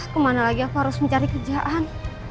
kemana lagi aku harus mencari kerjaan